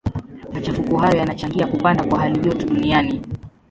Machafuko hayo yanachangia kupanda kwa halijoto duniani.